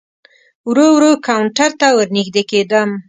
ورو ورو کاونټر ته ور نږدې کېدم.